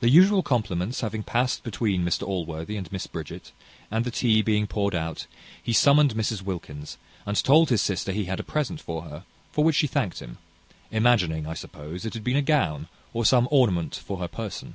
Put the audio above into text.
The usual compliments having past between Mr Allworthy and Miss Bridget, and the tea being poured out, he summoned Mrs Wilkins, and told his sister he had a present for her, for which she thanked him imagining, I suppose, it had been a gown, or some ornament for her person.